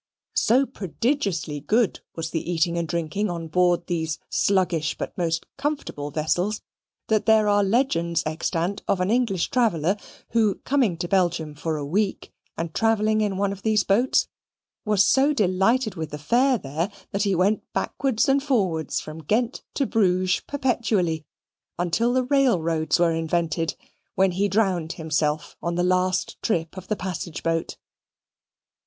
So prodigiously good was the eating and drinking on board these sluggish but most comfortable vessels, that there are legends extant of an English traveller, who, coming to Belgium for a week, and travelling in one of these boats, was so delighted with the fare there that he went backwards and forwards from Ghent to Bruges perpetually until the railroads were invented, when he drowned himself on the last trip of the passage boat.